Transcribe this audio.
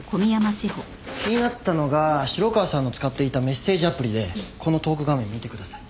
気になったのが城川さんの使っていたメッセージアプリでこのトーク画面見てください。